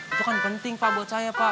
itu kan penting pak buat saya pak